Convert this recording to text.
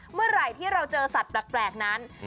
เมื่อไหร่ที่เราเจอสัตว์แปลกนั้น